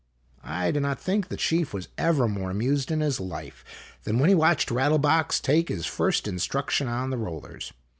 I do not think the chief was ever more amused in his life than when he watched Rattle box take his first instruction on the rollers.